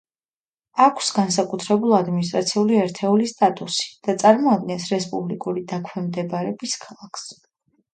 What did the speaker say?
აქვს განსაკუთრებულ ადმინისტრაციული ერთეულის სტატუსი და წარმოადგენს რესპუბლიკური დაქვემდებარების ქალაქს.